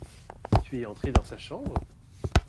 Tu es entrée dans sa chambre ?